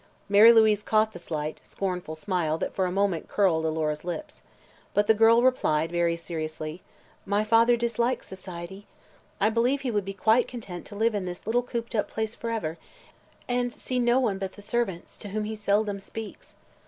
Mary Louise caught the slight, scornful smile that for a moment curled Alora's lips. But the girl replied very seriously: "My father dislikes society. I believe he would be quite content to live in this little cooped up place forever and see no one but the servants, to whom he seldom speaks.